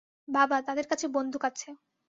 বাবা, তাদের কাছে বন্দুক আছে।